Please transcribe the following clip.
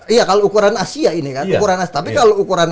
iya kalau ukuran asia ini kan tapi kalau ukuran